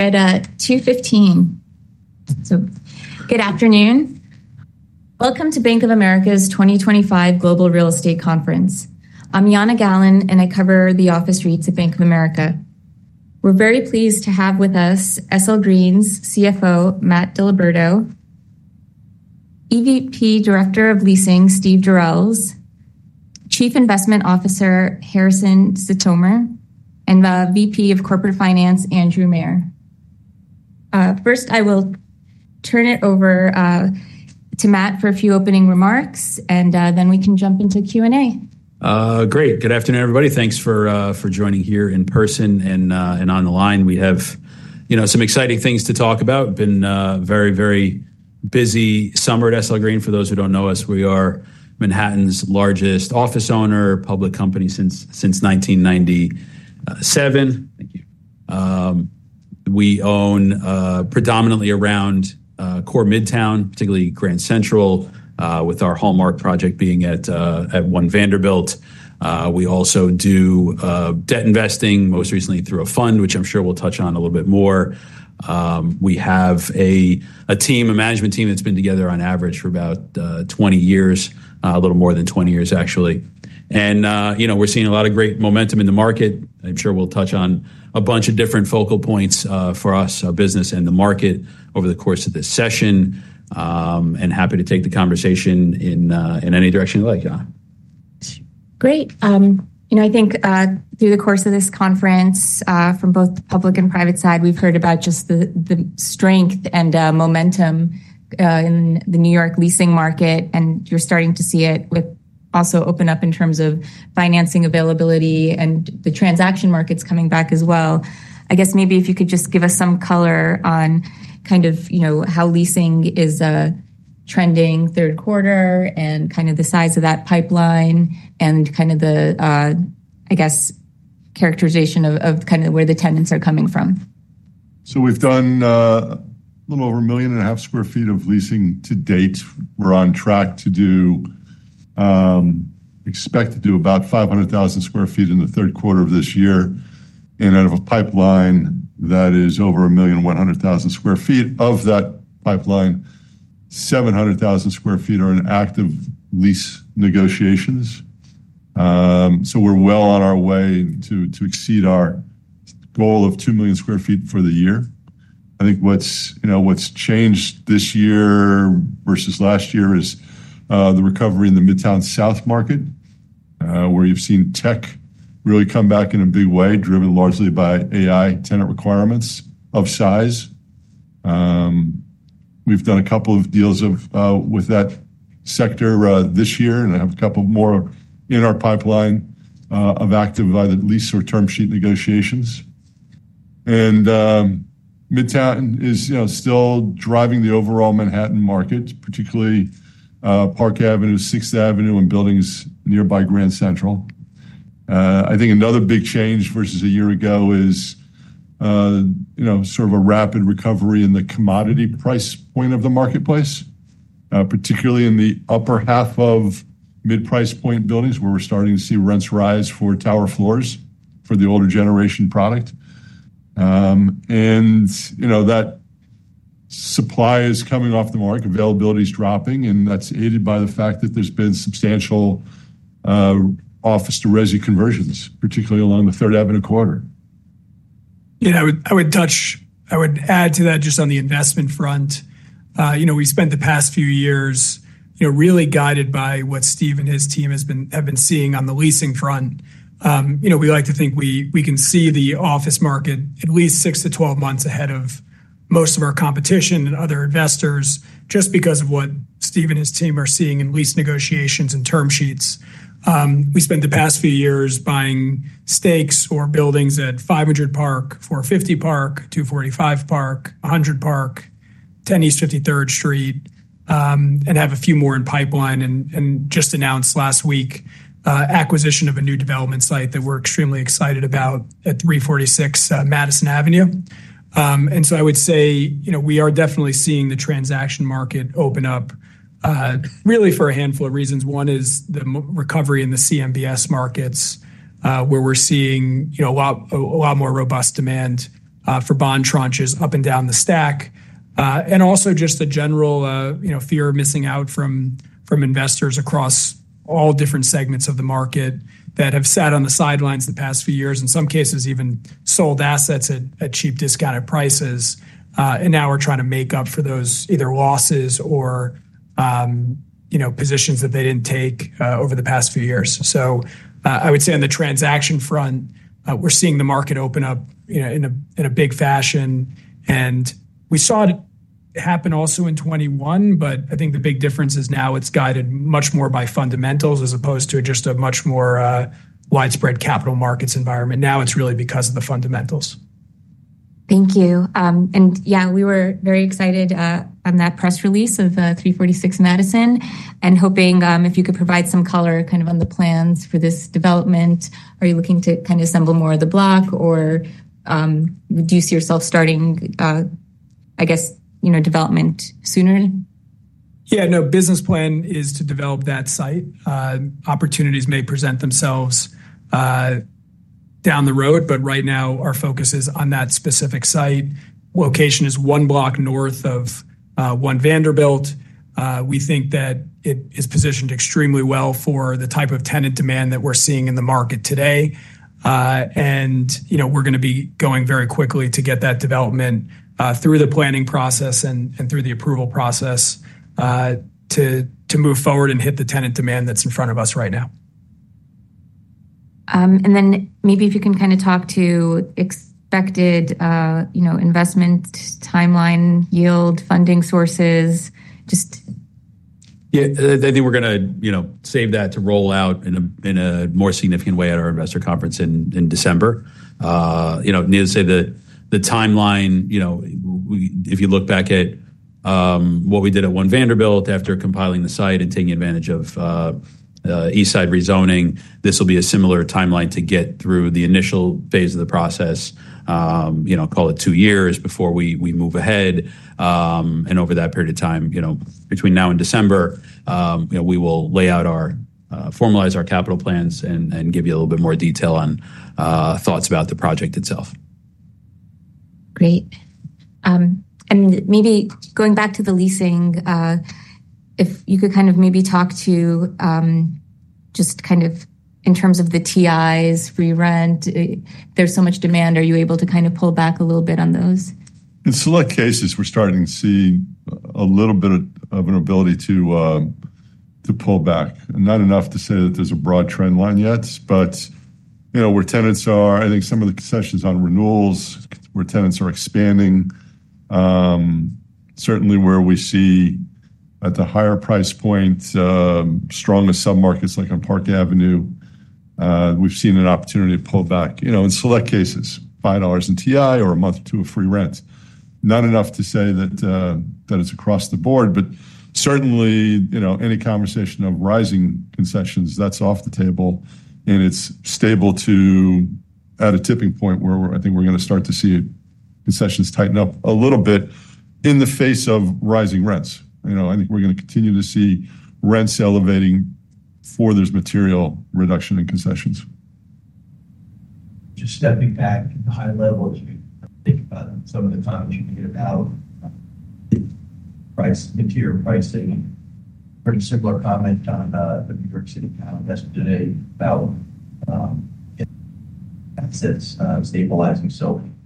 Good afternoon. Welcome to Bank of America's 2025 Global Real Estate Conference. I'm Yana Gallen, and I cover the office suites at Bank of America. We're very pleased to have with us SL Green's CFO, Matt DiLiberto, EVP Director of Leasing, Steve Durels, Chief Investment Officer, Harrison Sitomer, and the VP of Corporate Finance, Andrew Mehr. First, I will turn it over to Matt for a few opening remarks, and then we can jump into Q&A. Great. Good afternoon, everybody. Thanks for joining here in person and on the line. We have some exciting things to talk about. It's been a very, very busy summer at SL Green. For those who don't know us, we are Manhattan's largest office owner, public company since 1997. We own predominantly around core Midtown, particularly Grand Central, with our hallmark project being at One Vanderbilt. We also do debt investing, most recently through a fund, which I'm sure we'll touch on a little bit more. We have a management team that's been together on average for about 20 years, a little more than 20 years, actually. We're seeing a lot of great momentum in the market. I'm sure we'll touch on a bunch of different focal points for us, our business, and the market over the course of this session. Happy to take the conversation in any direction you like, Yana. Great. I think through the course of this conference, from both the public and private side, we've heard about just the strength and momentum in the New York leasing market, and you're starting to see it also open up in terms of financing availability and the transaction markets coming back as well. I guess maybe if you could just give us some color on how leasing is trending third quarter and the size of that pipeline and the characterization of where the tenants are coming from. We've done a little over 1.5 million sq ft of leasing to date. We're on track to do, expect to do about 500,000 sq ft in the third quarter of this year. Out of a pipeline that is over 1 million and 100,000 sq ft, 700,000 sq ft are in active lease negotiations. We're well on our way to exceed our goal of 2 million sq ft for the year. I think what's changed this year versus last year is the recovery in the Midtown South market, where you've seen tech really come back in a big way, driven largely by AI tenant requirements of size. We've done a couple of deals with that sector this year, and I have a couple more in our pipeline of active lease or term sheet negotiations. Midtown is still driving the overall Manhattan market, particularly Park Avenue, 6th Avenue, and buildings nearby Grand Central. Another big change versus a year ago is sort of a rapid recovery in the commodity price point of the marketplace, particularly in the upper half of mid-price point buildings where we're starting to see rents rise for tower floors for the older generation product. That supply is coming off the market, availability is dropping, and that's aided by the fact that there's been substantial office-to-residential conversions, particularly along the Third Avenue corridor. Yeah, I would add to that just on the investment front. We spent the past few years really guided by what Steve and his team have been seeing on the leasing front. We like to think we can see the office market at least six to twelve months ahead of most of our competition and other investors just because of what Steve and his team are seeing in lease negotiations and term sheets. We spent the past few years buying stakes or buildings at 500 Park, 450 Park, 245 Park, 100 Park, 10 East 53rd Street, and have a few more in the pipeline and just announced last week the acquisition of a new development site that we're extremely excited about at 346 Madison Avenue. I would say we are definitely seeing the transaction market open up really for a handful of reasons. One is the recovery in the CMBS market where we're seeing a lot more robust demand for bond tranches up and down the stack. Also, just a general fear of missing out from investors across all different segments of the market that have sat on the sidelines the past few years, in some cases even sold assets at cheap discounted prices. Now they're trying to make up for those either losses or positions that they didn't take over the past few years. I would say on the transaction front, we're seeing the market open up in a big fashion. We saw it happen also in 2021, but I think the big difference is now it's guided much more by fundamentals as opposed to just a much more widespread capital markets environment. Now it's really because of the fundamentals. Thank you. Yeah, we were very excited on that press release of 346 Madison and hoping if you could provide some color kind of on the plans for this development. Are you looking to kind of assemble more of the block, or do you see yourself starting, I guess, you know, development sooner? Yeah, no, business plan is to develop that site. Opportunities may present themselves down the road, but right now our focus is on that specific site. Location is one block north of One Vanderbilt. We think that it is positioned extremely well for the type of tenant demand that we're seeing in the market today. We're going to be going very quickly to get that development through the planning process and through the approval process to move forward and hit the tenant demand that's in front of us right now. Maybe if you can kind of talk to the expected investment timeline, yield, funding sources, just... Yeah, I think we're going to save that to roll out in a more significant way at our investor conference in December. I need to say that the timeline, if you look back at what we did at One Vanderbilt after compiling the site and taking advantage of East Side rezoning, this will be a similar timeline to get through the initial phase of the process. Call it two years before we move ahead. Over that period of time, between now and December, we will lay out our formalized capital plans and give you a little bit more detail on thoughts about the project itself. Great. Maybe going back to the leasing, if you could kind of talk to just in terms of the TIs, free rent, there's so much demand. Are you able to kind of pull back a little bit on those? In select cases, we're starting to see a little bit of an ability to pull back. Not enough to say that there's a broad trend line yet, but where tenants are, I think some of the concessions on renewals, where tenants are expanding, certainly where we see at the higher price point, stronger submarkets like on Park Avenue, we've seen an opportunity to pull back in select cases, $5 in TI or a month or two of free rent. Not enough to say that it's across the board, but certainly any conversation of rising concessions, that's off the table and it's stable to at a tipping point where I think we're going to start to see concessions tighten up a little bit in the face of rising rents. I think we're going to continue to see rents elevating for this material reduction in concessions. Just stepping back at the high levels, you think about some of the times you can get about price material pricing. Pretty similar comment on the New York City town yesterday about, you know, kind of says stabilizing.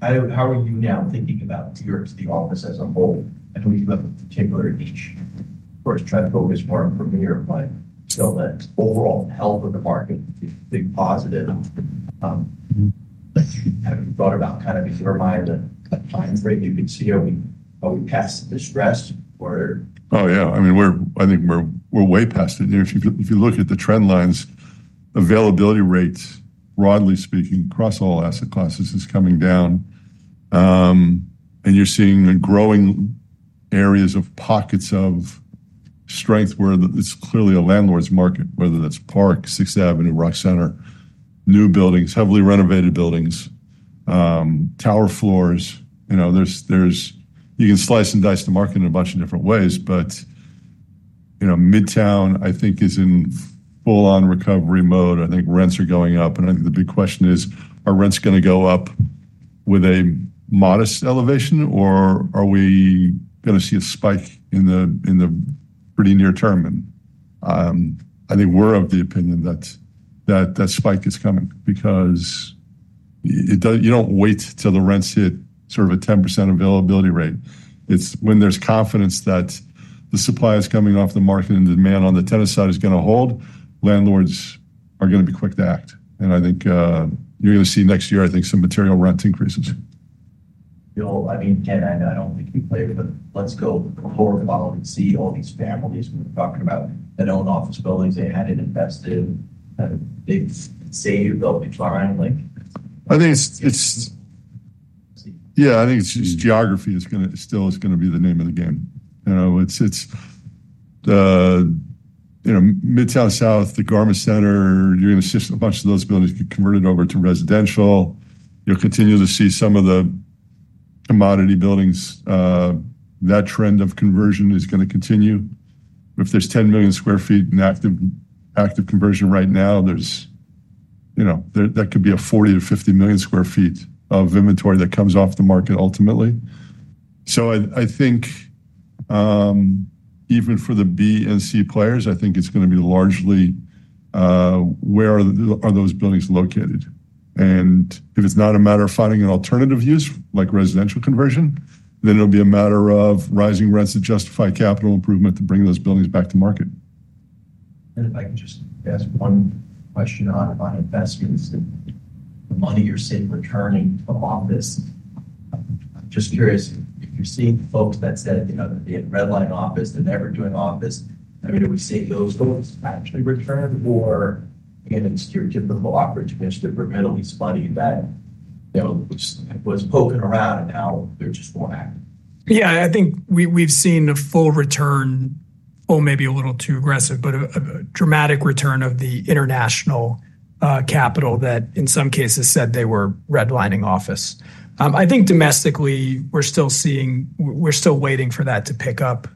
How are you now thinking about New York City office as a whole? I know you've been on the temporary lease. We're trying to focus more on premier, but still that overall health of the market has been positive. Have you thought about kind of, is there a mind that finds where you could see how we pass this dress? Oh yeah, I mean, I think we're way past it. If you look at the trend lines, availability rates, broadly speaking, across all asset classes, is coming down. You're seeing growing areas of pockets of strength where it's clearly a landlord's market, whether that's Park, 6th Avenue, Grand Central, new buildings, heavily renovated buildings, tower floors. You can slice and dice the market in a bunch of different ways, but Midtown, I think, is in full-on recovery mode. I think rents are going up. The big question is, are rents going to go up with a modest elevation or are we going to see a spike in the pretty near term? I think we're of the opinion that that spike is coming because you don't wait till the rents hit sort of a 10% availability rate. It's when there's confidence that the supply is coming off the market and the demand on the tenant side is going to hold, landlords are going to be quick to act. I think you're going to see next year, I think, some material rent increases. I mean, again, I know I don't want to keep later, but let's go before we follow and see all these families and talking about the known office buildings they hadn't invested in. I think it's staying relatively fine, right? I think it's geography that still is going to be the name of the game. You know, it's Midtown South, the Garment Center, you're going to see a bunch of those buildings get converted over to residential. You'll continue to see some of the commodity buildings. That trend of conversion is going to continue. If there's 10 million sq ft in active conversion right now, that could be a 40 or 50 million sq ft of inventory that comes off the market ultimately. I think even for the B and C players, it's going to be largely where are those buildings located? If it's not a matter of finding an alternative use like residential conversion, it'll be a matter of rising rents to justify capital improvement to bring those buildings back to market. If I can just ask one question on investors and the money you're seeing returning to office. I'm just curious if you've seen folks that said they had redlined office and they're doing office. Do we see those folks back in return, or again, in the security of the block, or do they just regret at least fighting that? It was poking around and now they're just going back. Yeah, I think we've seen a full return, maybe a little too aggressive, but a dramatic return of the international capital that in some cases said they were redlining office. I think domestically we're still seeing, we're still waiting for that to pick up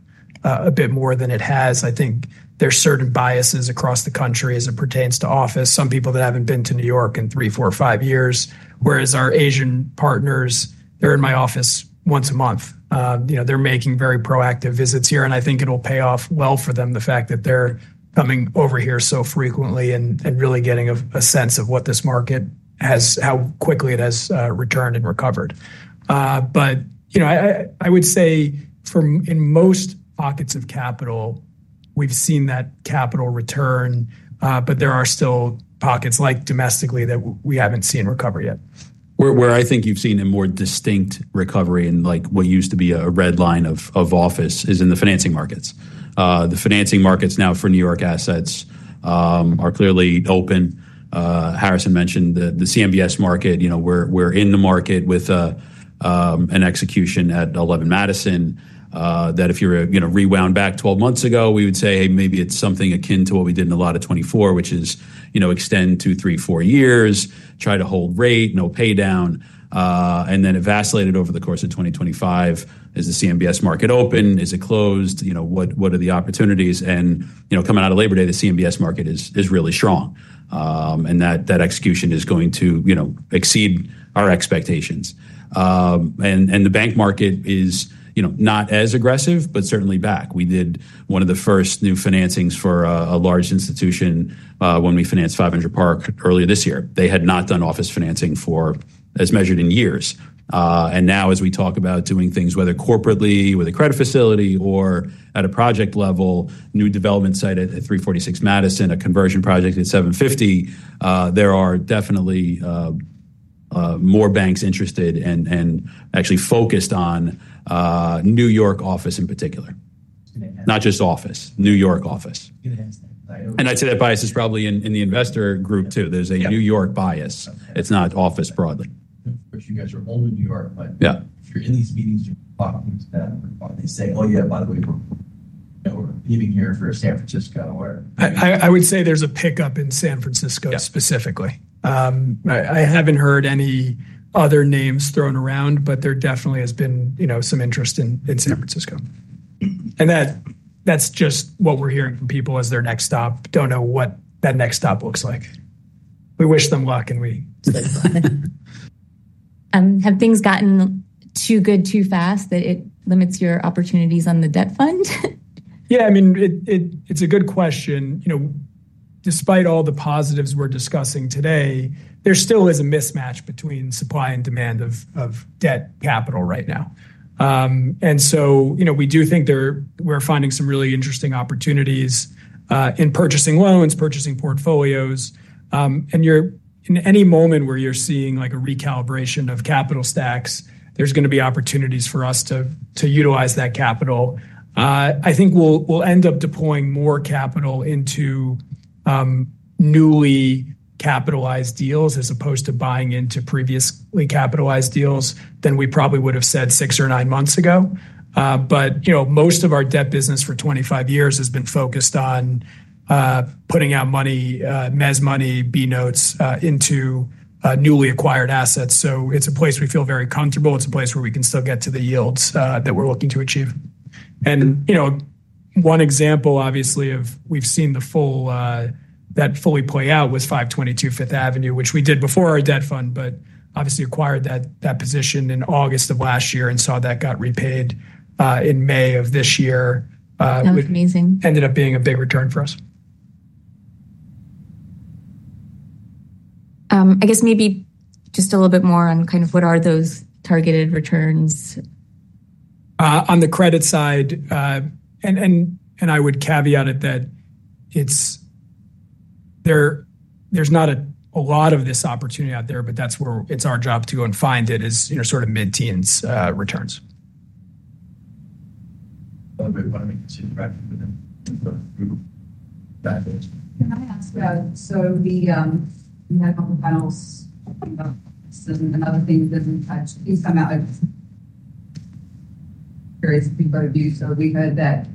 a bit more than it has. I think there's certain biases across the country as it pertains to office. Some people that haven't been to New York in three, four, or five years, whereas our Asian partners, they're in my office once a month. They're making very proactive visits here, and I think it'll pay off well for them, the fact that they're coming over here so frequently and really getting a sense of what this market has, how quickly it has returned and recovered. I would say in most pockets of capital, we've seen that capital return, but there are still pockets like domestically that we haven't seen recover yet. Where I think you've seen a more distinct recovery in like what used to be a red line of office is in the financing markets. The financing markets now for New York assets are clearly open. Harrison mentioned the CMBS market, you know, we're in the market with an execution at 11 Madison. If you're going to rewind back 12 months ago, we would say, hey, maybe it's something akin to what we did in the Law to 24, which is, you know, extend two, three, four years, try to hold rate, no pay down, and then evacuate it over the course of 2025. Is the CMBS market open? Is it closed? What are the opportunities? Coming out of Labor Day, the CMBS market is really strong. That execution is going to exceed our expectations. The bank market is not as aggressive, but certainly back. We did one of the first new financings for a large institution when we financed 500 Park earlier this year. They had not done office financing for as measured in years. Now, as we talk about doing things, whether corporately, with a credit facility, or at a project level, new development site at 346 Madison, a conversion project at 750, there are definitely more banks interested and actually focused on New York office in particular. Not just office, New York office. I'd say that bias is probably in the investor group too. There's a New York bias. It's not office broadly. You guys are only in New York. Yeah. If you're in these meetings, you're talking to them. They say, oh yeah, why don't we go meeting you in San Francisco? I would say there's a pickup in San Francisco specifically. I haven't heard any other names thrown around, but there definitely has been some interest in San Francisco. That's just what we're hearing from people as their next stop. Don't know what that next stop looks like. We wish them luck and we. Do they? Have things gotten too good too fast that it limits your opportunities on the debt fund? Yeah, I mean, it's a good question. You know, despite all the positives we're discussing today, there still is a mismatch between supply and demand of debt capital right now. You know, we do think we're finding some really interesting opportunities in purchasing loans, purchasing portfolios. In any moment where you're seeing like a recalibration of capital stacks, there's going to be opportunities for us to utilize that capital. I think we'll end up deploying more capital into newly capitalized deals as opposed to buying into previously capitalized deals than we probably would have said six or nine months ago. Most of our debt business for 25 years has been focused on putting out money, mezz money, B notes into newly acquired assets. It's a place we feel very comfortable. It's a place where we can still get to the yields that we're looking to achieve. One example, obviously, of we've seen that fully play out was 522 Fifth Avenue, which we did before our debt fund, but obviously acquired that position in August of last year and saw that got repaid in May of this year. That's amazing. Ended up being a big return for us. Maybe just a little bit more on kind of what are those targeted returns? On the credit side, I would caveat it that there's not a lot of this opportunity out there, but that's where it's our job to go and find it, you know, sort of mid-teens returns. The network of battles doesn't have a thing that doesn't touch, at least on that. I'm curious to think about it. We had that,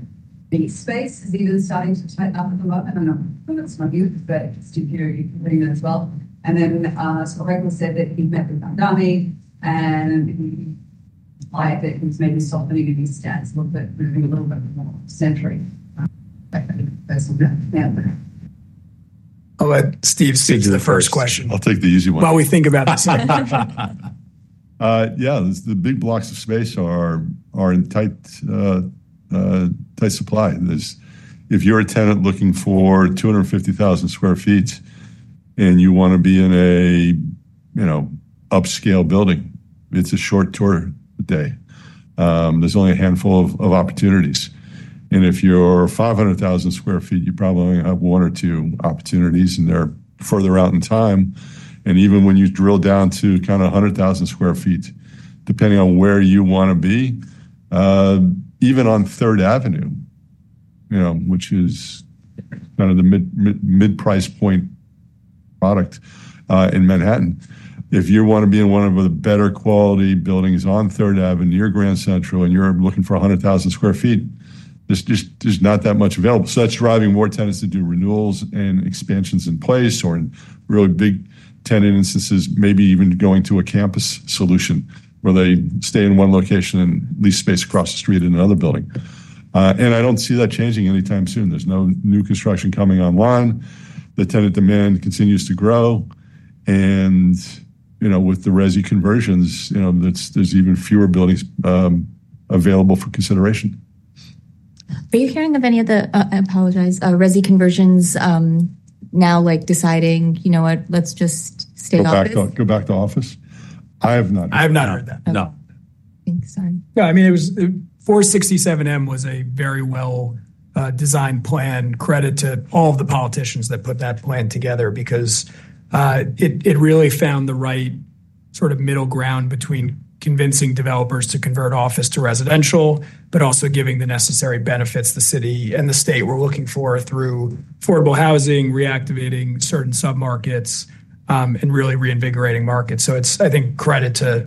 the space, the settings are tied up at the low. I don't know. I don't know if it's my view, but I just didn't hear you hitting it as well. I said that he met the dummy and I think he's maybe softening in these stats a little bit, but doing a little bit more century. I'll let Steve Durels do the first question. I'll take the easy one. While we think about the tenant. Yeah, the big blocks of space are in tight supply. If you're a tenant looking for 250,000 sq ft and you want to be in a, you know, upscale building, it's a short tour day. There's only a handful of opportunities. If you're 500,000 sq ft, you probably only have one or two opportunities and they're further out in time. Even when you drill down to kind of 100,000 sq ft, depending on where you want to be, even on Third Avenue, which is kind of the mid-price point product in Manhattan, if you want to be in one of the better quality buildings on Third Avenue, you're Grand Central and you're looking for 100,000 sq ft, there's not that much available. That's driving more tenants to do renewals and expansions in place or in really big tenant instances, maybe even going to a campus solution where they stay in one location and lease space across the street in another building. I don't see that changing anytime soon. There's no new construction coming online. The tenant demand continues to grow. With the resi conversions, there's even fewer buildings available for consideration. Are you hearing of any of the resi conversions now, like deciding, you know what, let's just stay off? Go back to office. I have not heard that. I have not heard that, no. Thanks, sorry. No, I mean, it was $467 million. It was a very well-designed plan, credit to all of the politicians that put that plan together because it really found the right sort of middle ground between convincing developers to convert office to residential, but also giving the necessary benefits the city and the state were looking for through affordable housing, reactivating certain submarkets, and really reinvigorating markets. I think credit to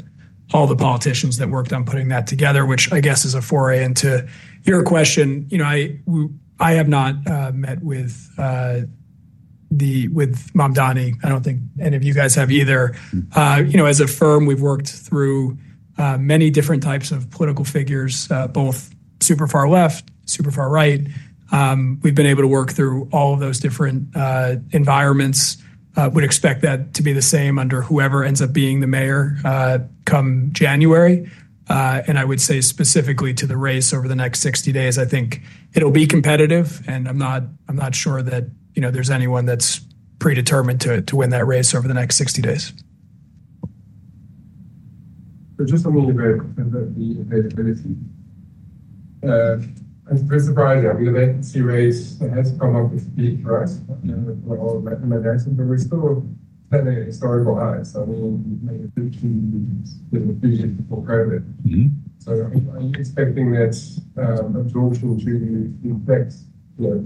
all the politicians that worked on putting that together, which I guess is a foray into your question. I have not met with Mom Donnie. I don't think any of you guys have either. As a firm, we've worked through many different types of political figures, both super far left, super far right. We've been able to work through all of those different environments. I would expect that to be the same under whoever ends up being the mayor come January. I would say specifically to the race over the next 60 days, I think it'll be competitive. I'm not sure that there's anyone that's predetermined to win that race over the next 60 days. Just a little bit about the competitivity. I'm very surprised. I mean, the latency race has come up with speed cars. We're all wrapping our nice up, but we're still having historical highs. Maybe two to three years in the vision for progress. Are you expecting that absorption will truly affect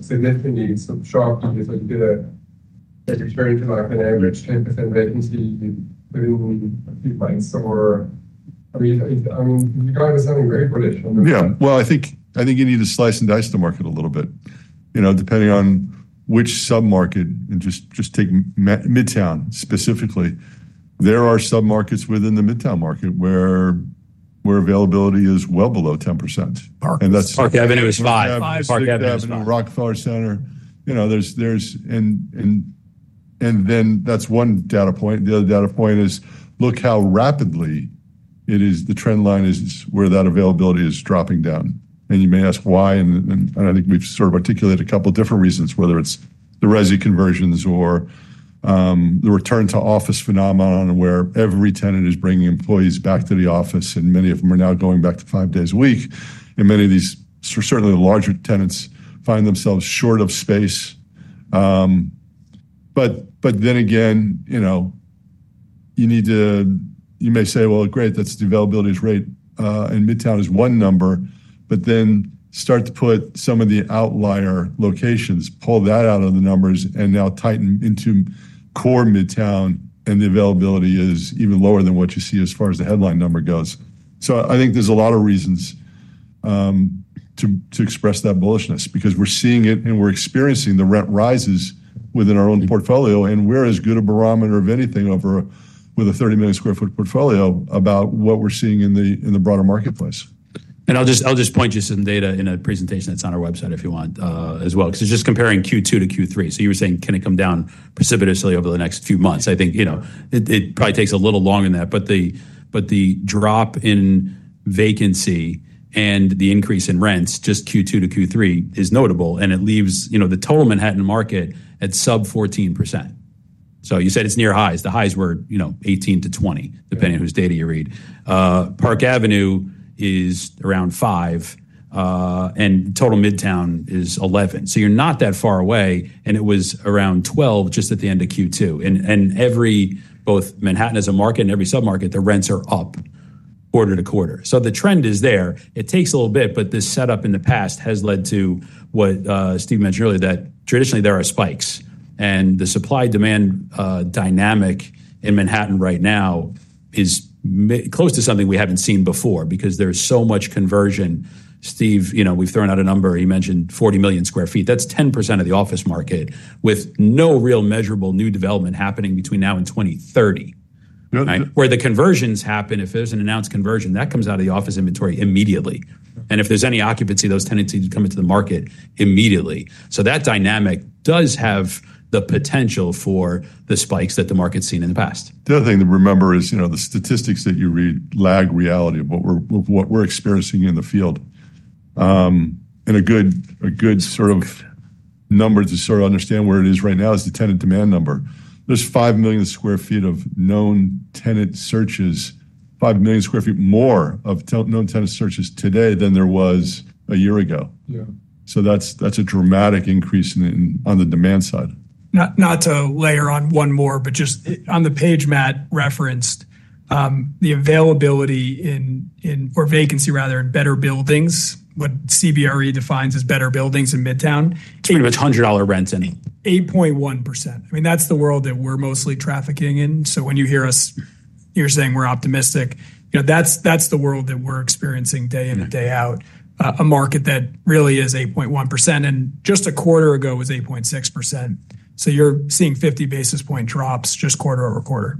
significantly sharply as a good, as a strange life on average, 10% latency through a few months? Can you drive us out? I think you need to slice and dice the market a little bit. You know, depending on which submarket, and just take Midtown specifically, there are submarkets within the Midtown market where availability is well below 10%. That's. Park Avenue is five. Park Avenue, Rockefeller Center. There's, and then that's one data point. The other data point is look how rapidly it is, the trend line is where that availability is dropping down. You may ask why, and I think we've sort of articulated a couple of different reasons, whether it's the resi conversions or the return to office phenomenon where every tenant is bringing employees back to the office, and many of them are now going back to five days a week. Many of these, certainly the larger tenants, find themselves short of space. You may say, that's the availability rate in Midtown is one number, but then start to put some of the outlier locations, pull that out of the numbers and now tighten into core Midtown, and the availability is even lower than what you see as far as the headline number goes. I think there's a lot of reasons to express that bullishness because we're seeing it and we're experiencing the rent rises within our own portfolio, and we're as good a barometer of anything with a 30 million sq ft portfolio about what we're seeing in the broader marketplace. I'll just point you to some data in a presentation that's on our website if you want as well, because it's just comparing Q2 to Q3. You were saying, can it come down precipitously over the next few months? I think it probably takes a little longer than that, but the drop in vacancy and the increase in rents just Q2 to Q3 is notable, and it leaves the total Manhattan market at sub 14%. You said it's near highs. The highs were 18%-20%, depending on whose data you read. Park Avenue is around 5%, and total Midtown is 11%. You're not that far away, and it was around 12% just at the end of Q2. Both Manhattan as a market and every submarket, the rents are up quarter to quarter. The trend is there. It takes a little bit, but this setup in the past has led to what Steve mentioned earlier, that traditionally there are spikes, and the supply-demand dynamic in Manhattan right now is close to something we haven't seen before because there's so much conversion. Steve, we've thrown out a number. He mentioned 40 million sq ft. That's 10% of the office market with no real measurable new development happening between now and 2030. Where the conversions happen, if there's an announced conversion, that comes out of the office inventory immediately. If there's any occupancy, those tend to come into the market immediately. That dynamic does have the potential for the spikes that the market's seen in the past. The other thing to remember is, you know, the statistics that you read lag reality of what we're experiencing in the field. A good sort of number to sort of understand where it is right now is the tenant demand number. There's 5 million sq ft of known tenant searches, 5 million sq ft more of known tenant searches today than there was a year ago. That's a dramatic increase on the demand side. Not to layer on one more, but just on the page Matt referenced, the availability in, or vacancy rather, in better buildings, what CBRE defines as better buildings in Midtown. Talking about $100 rents, any. 8.1%. I mean, that's the world that we're mostly trafficking in. When you hear us, you're saying we're optimistic. That's the world that we're experiencing day in and day out. A market that really is 8.1% and just a quarter ago was 8.6%. You're seeing 50 basis point drops just quarter-over-quarter.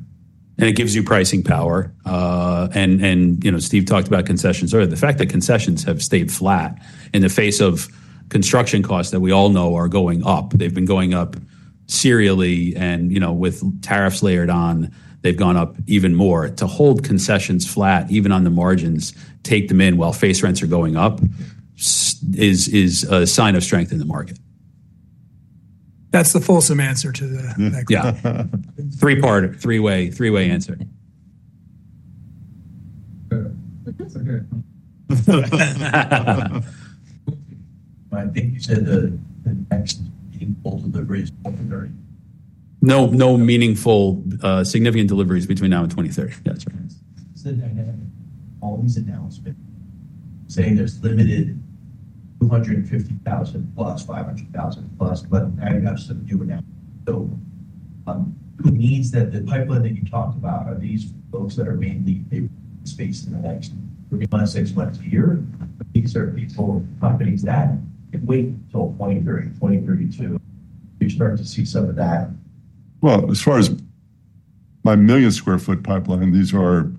It gives you pricing power. Steve talked about concessions. The fact that concessions have stayed flat in the face of construction costs that we all know are going up. They've been going up serially, and with tariffs layered on, they've gone up even more. To hold concessions flat, even on the margins, take them in while face rents are going up is a sign of strength in the market. That's the fulsome answer to the next question. Three-parted, three-way answer. No meaningful significant deliveries between now and 2023. You have always announced saying there's litigated 250,000+, 500,000 +, but I'm adding up some here now. It means that the pipeline that you talk about, are these folks that are mainly spaced in the next three months, six months here? These are people, companies that can wait until 2030, 2032 to experience some of that. As far as my million sq ft pipeline, these are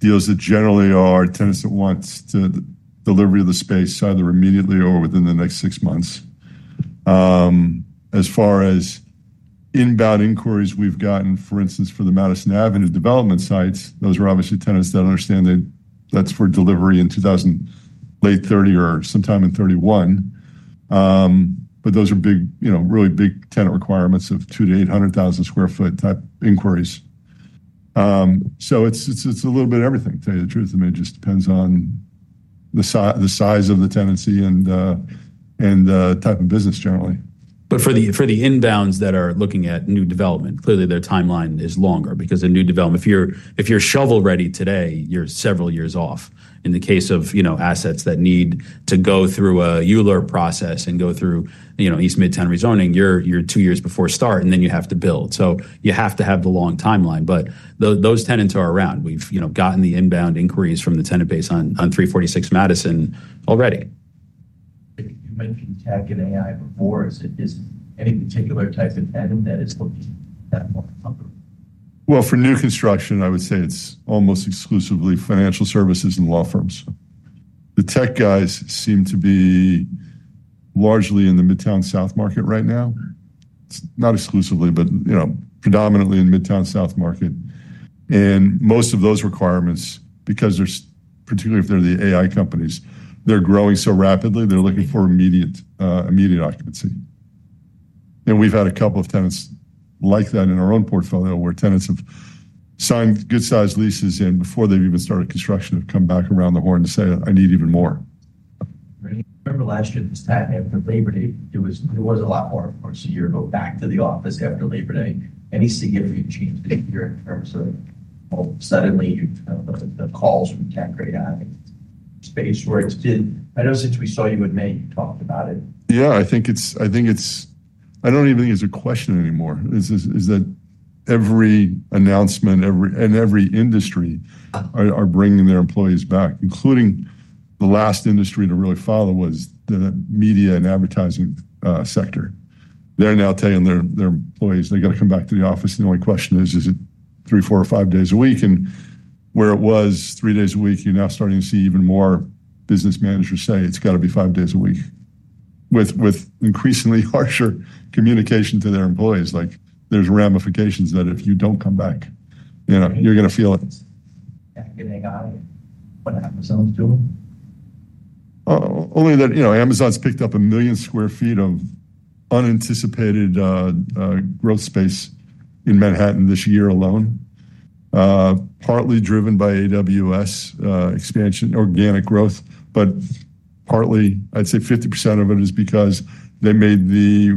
deals that generally are tenants that want the delivery of the space either immediately or within the next six months. As far as inbound inquiries we've gotten, for instance, for the Madison Avenue development sites, those are obviously tenants that understand that that's for delivery in late 2030 or sometime in 2031. Those are big, really big tenant requirements of 200,000 sq ft-800,000 sq ft type inquiries. It's a little bit of everything, to tell you the truth. It just depends on the size of the tenancy and the type of business generally. For the inbounds that are looking at new development, clearly their timeline is longer because a new development, if you're shovel-ready today, you're several years off. In the case of assets that need to go through a ULURP process and go through East Midtown rezoning, you're two years before start and then you have to build. You have to have the long timeline, but those tenants are around. We've gotten the inbound inquiries from the tenant base on 346 Madison already. You mentioned tech and AI before. Is it any particular type of tenant that is focused? For new construction, I would say it's almost exclusively financial services and law firms. The tech guys seem to be largely in the Midtown South market right now. It's not exclusively, but predominantly in the Midtown South market. Most of those requirements, particularly if they're the AI companies, are growing so rapidly, they're looking for immediate occupancy. We've had a couple of tenants like that in our own portfolio where tenants have signed good sized leases and before they've even started construction have come back around the horn to say, "I need even more. I remember last year this time after Labor Day, it was a lot more, of course, a year ago back to the office after Labor Day. Any significant changes in your terms or suddenly the calls from tenant grade athletes? You're sure it's good. I know since we saw you in May, you talked about it. I think it's, I don't even think it's a question anymore. Every announcement, every industry is bringing their employees back, including the last industry to really follow, which was the media and advertising sector. They're now telling their employees they've got to come back to the office. The only question is, is it three, four, or five days a week? Where it was three days a week, you're now starting to see even more business managers say it's got to be five days a week with increasingly harsher communication to their employees. There are ramifications that if you don't come back, you're going to feel it. Do they have what Amazon is doing? Only that, you know, Amazon's picked up 1 million sq ft of unanticipated growth space in Manhattan this year alone, partly driven by AWS expansion, organic growth, but partly, I'd say 50% of it is because they made the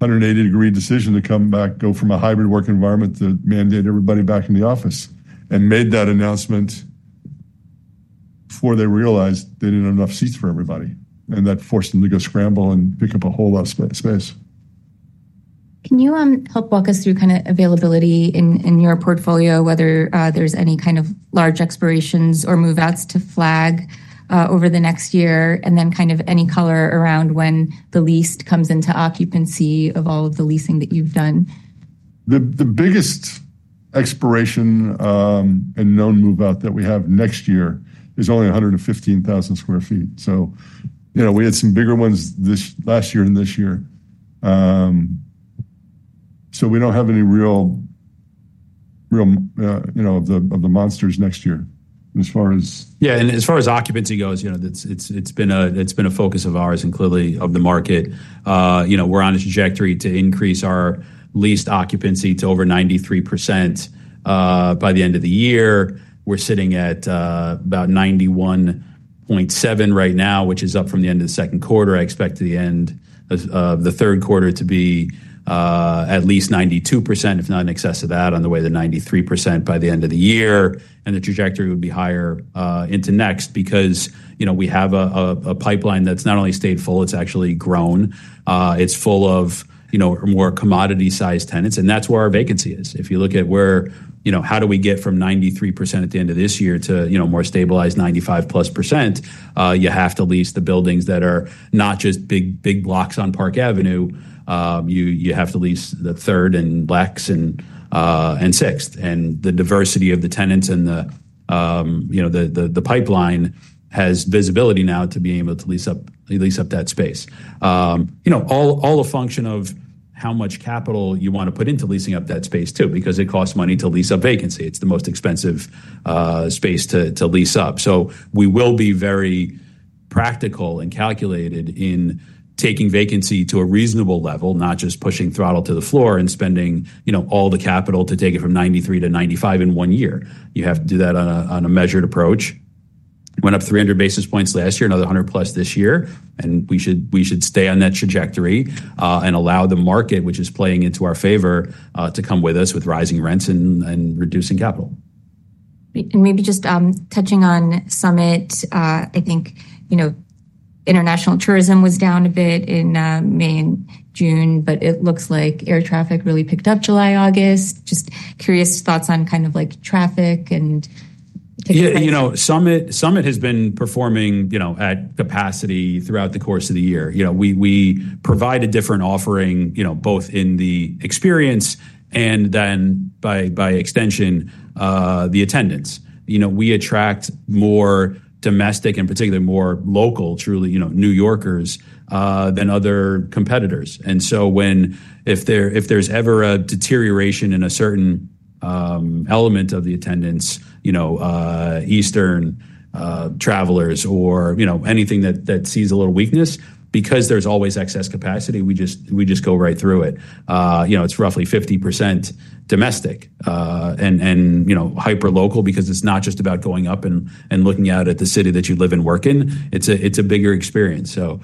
180-degree decision to come back, go from a hybrid work environment to mandate everybody back in the office. They made that announcement before they realized they didn't have enough seats for everybody. That forced them to go scramble and pick up a whole lot of space. Can you help walk us through kind of availability in your portfolio, whether there's any kind of large expirations or move-outs to flag over the next year? Is there any color around when the lease comes into occupancy of all of the leasing that you've done? The biggest expiration and known move-out that we have next year is only 115,000 sq ft. We had some bigger ones this last year and this year. We don't have any real, you know, of the monsters next year as far as. Yeah, and as far as occupancy goes, it's been a focus of ours and clearly of the market. We're on a trajectory to increase our leased occupancy to over 93% by the end of the year. We're sitting at about 91.7% right now, which is up from the end of the second quarter. I expect the end of the third quarter to be at least 92%, if not in excess of that, on the way to 93% by the end of the year. The trajectory would be higher into next because we have a pipeline that's not only stayed full, it's actually grown. It's full of more commodity-sized tenants, and that's where our vacancy is. If you look at how do we get from 93% at the end of this year to more stabilized 95%+? You have to lease the buildings that are not just big, big blocks on Park Avenue. You have to lease the third and blocks and sixth. The diversity of the tenants and the pipeline has visibility now to be able to lease up that space. All a function of how much capital you want to put into leasing up that space too, because it costs money to lease up vacancy. It's the most expensive space to lease up. We will be very practical and calculated in taking vacancy to a reasonable level, not just pushing throttle to the floor and spending all the capital to take it from 93% to 95% in one year. You have to do that on a measured approach. Went up 300 basis points last year, another 100+ this year. We should stay on that trajectory and allow the market, which is playing into our favor, to come with us with rising rents and reducing capital. Maybe just touching on SUMMIT, I think international tourism was down a bit in May and June, but it looks like air traffic really picked up July and August. Just curious thoughts on kind of like traffic. Yeah, you know, SUMMIT has been performing at capacity throughout the course of the year. We provide a different offering, both in the experience and then by extension, the attendance. We attract more domestic and particularly more local, truly, you know, New Yorkers than other competitors. If there's ever a deterioration in a certain element of the attendance, Eastern travelers or anything that sees a little weakness, because there's always excess capacity, we just go right through it. It's roughly 50% domestic and, you know, hyper local because it's not just about going up and looking out at the city that you live and work in. It's a bigger experience. We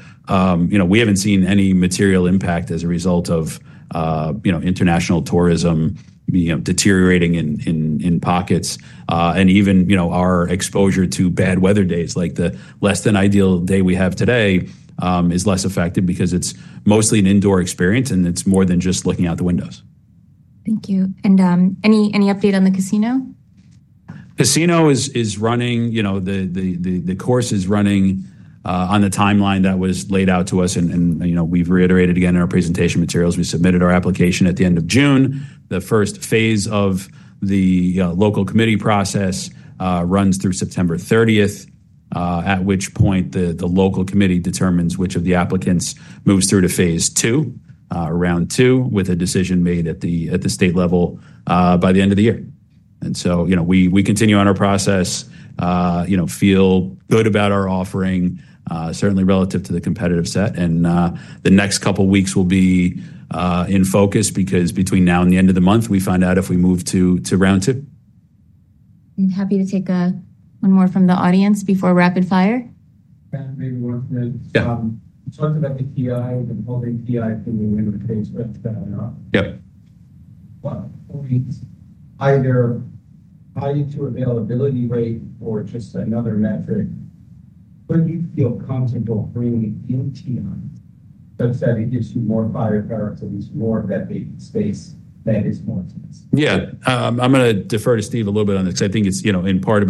haven't seen any material impact as a result of international tourism deteriorating in pockets. Even our exposure to bad weather days, like the less than ideal day we have today, is less affected because it's mostly an indoor experience and it's more than just looking out the windows. Thank you. Any update on the casino? Casino is running, the course is running on the timeline that was laid out to us. We've reiterated again in our presentation materials, we submitted our application at the end of June. The first phase of the local committee process runs through September 30th, at which point the local committee determines which of the applicants moves through to phase two, round two, with a decision made at the state level by the end of the year. We continue on our process, feel good about our offering, certainly relative to the competitive set. The next couple of weeks will be in focus because between now and the end of the month, we find out if we move to round two. I'm happy to take one more from the audience before rapid fire. I mean, we're really talking about the PIs and holding PIs when we win the case with them or not. Yeah. What points either tied to availability rate or just another metric, where do you feel comfortable bringing in TI? Like I said, it gives you more firepower to lose more of that vacant space than it is more tense. Yeah, I'm going to defer to Steve a little bit on this. I think it's, in part,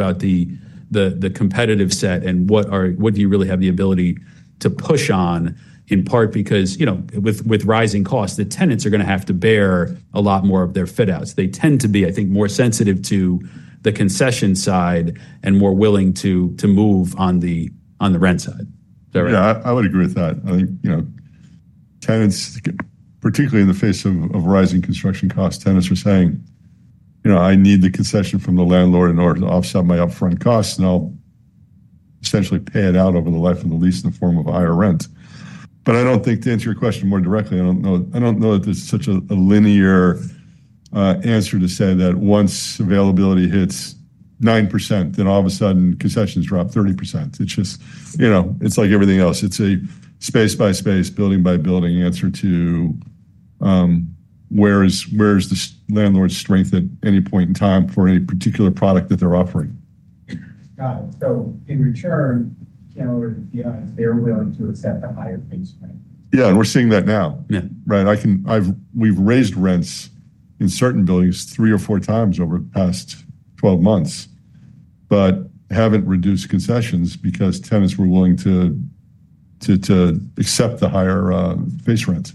about the competitive set and what do you really have the ability to push on, in part because, with rising costs, the tenants are going to have to bear a lot more of their fit-outs. They tend to be, I think, more sensitive to the concession side and more willing to move on the rent side. Yeah, I would agree with that. I think tenants, particularly in the face of rising construction costs, are saying, you know, I need the concession from the landlord in order to offset my upfront costs, and I'll essentially pay it out over the life of the lease in the form of higher rent. I don't think, to answer your question more directly, I don't know that there's such a linear answer to say that once availability hits 9%, then all of a sudden concessions drop 30%. It's just, you know, it's like everything else. It's a space by space, building by building answer to where is the landlord's strength at any point in time for any particular product that they're offering. Got it. In return. Yeah, we're seeing that now. I can, we've raised rents in certain buildings three or four times over the past 12 months, but haven't reduced concessions because tenants were willing to accept the higher base rent.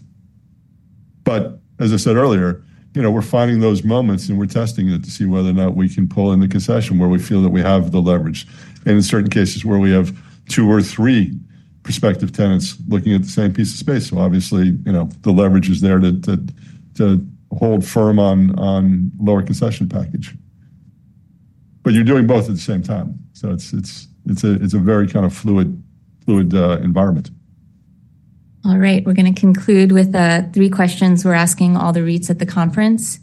As I said earlier, we're finding those moments and we're testing it to see whether or not we can pull in the concession where we feel that we have the leverage. In certain cases, we have two or three prospective tenants looking at the same piece of space. Obviously, the leverage is there to hold firm on a lower concession package. You're doing both at the same time. It's a very kind of fluid environment. All right, we're going to conclude with three questions we're asking all the REITs at the conference.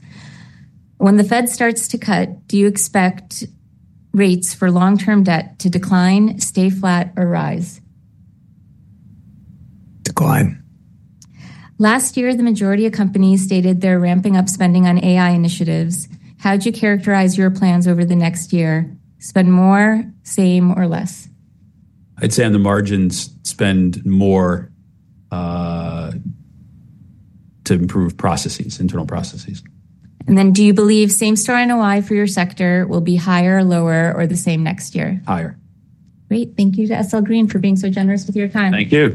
When the Fed starts to cut, do you expect rates for long-term debt to decline, stay flat, or rise? Decline. Last year, the majority of companies stated they're ramping up spending on AI initiatives. How would you characterize your plans over the next year? Spend more, same, or less? I'd say on the margins, spend more to improve processes, internal processes. Do you believe same-store NOI for your sector will be higher, lower, or the same next year? Higher. Great. Thank you to SL Green. for being so generous with your time. Thank you.